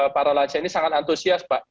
para lansia ini sangat antusias pak